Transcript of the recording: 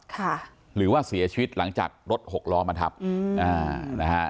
ค่ะหรือว่าเสียชีวิตหลังจากรถหกล้อมาทับอืมอ่านะฮะ